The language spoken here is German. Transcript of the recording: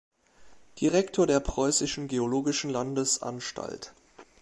Direktor der Preußischen Geologischen Landesanstalt.